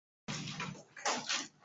北魏皇始二年。